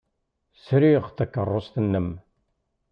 Sriɣ takeṛṛust-nnem.